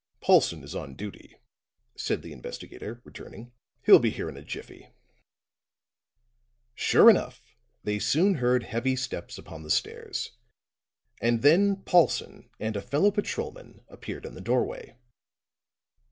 "Paulson is on duty," said the investigator, returning. "He'll be here in a jiffy." Sure enough, they soon heard heavy steps upon the stairs; and then Paulson and a fellow patrolman appeared in the doorway.